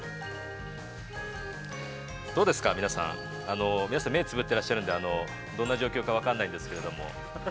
どうですか、皆さん、皆さん目をつぶってらっしゃるのでどんな状況か分からないんですけれども。